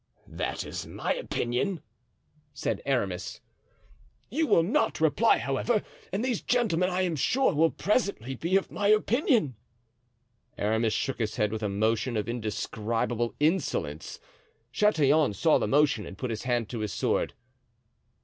"That is my opinion," said Aramis. "You will not reply, however, and these gentlemen, I am sure, will presently be of my opinion." Aramis shook his head with a motion of indescribable insolence. Chatillon saw the motion and put his hand to his sword.